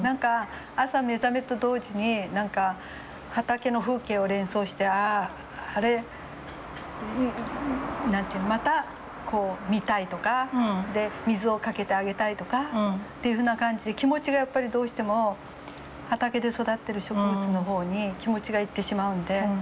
朝目覚めと同時に畑の風景を連想してああまた見たいとか水をかけてあげたいとかっていうふうな感じで気持ちがやっぱりどうしても畑で育ってる植物の方に気持ちが行ってしまうんで。